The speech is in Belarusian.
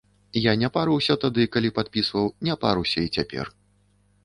Я не парыўся тады, калі падпісваў, не паруся і цяпер.